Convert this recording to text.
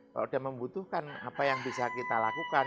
kalau dia membutuhkan apa yang bisa kita lakukan